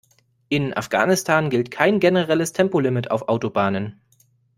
In Afghanistan gilt kein generelles Tempolimit auf Autobahnen.